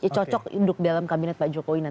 cocok untuk duduk dalam kabinet pak jokowi nanti